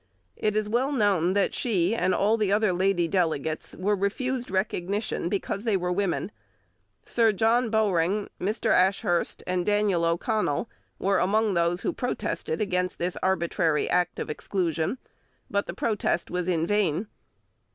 It is well known that she and all other lady delegates were refused recognition because they were women. Sir John Bowring, Mr. Ashurst, and Daniel O'Connell were among those who protested against this arbitrary act of exclusion; but the protest was in vain.